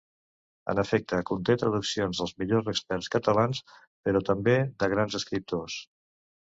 En efecte, conté traduccions dels millors experts catalans, però també de grans escriptors.